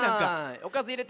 おかずいれて。